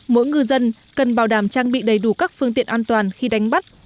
mỗi ngư dân cần bảo đảm trang bị đầy đủ các phương tiện an toàn khi đánh bắt